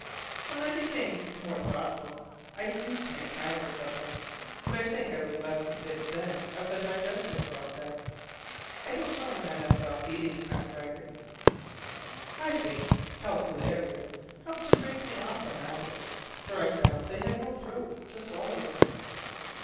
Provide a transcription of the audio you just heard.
When I became more thoughtful I ceased to make cannibals of them: but I think I was less convinced then of the digestive process. I don't know when I left off feeding snapdragons: I think calceolarias helped to break me off the habit, for I found they had no throats to swallow with.